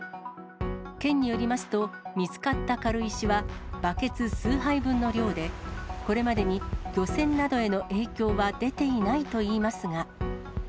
県によりますと、見つかった軽石は、バケツ数杯分の量で、これまでに漁船などへの影響は出ていないといいますが。